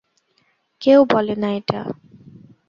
কেউ বলে না এটা।